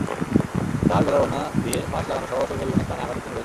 তাঁর গলায় ওড়না দিয়ে ফাঁস লাগানোসহ শরীরের বিভিন্ন স্থানে আঘাতের চিহ্ন রয়েছে।